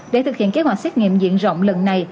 để thực hiện kế hoạch xét nghiệm diện rộng lần này